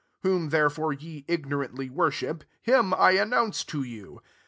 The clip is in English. * Whom therefeit ye ignorantly worship, hini announce to you.